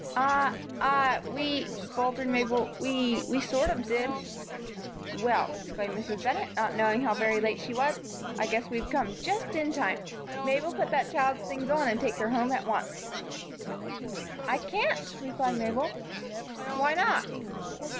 "I I we " faltered Mabel, "we we sort of did." "Well!" exclaimed Mrs. Bennett, not knowing how very late she was, "I guess we've come just in time. Mabel, put that child's things on and take her home at once." "I can't," replied Mabel. "Why not?"